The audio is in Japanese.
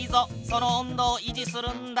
その温度をいじするんだ。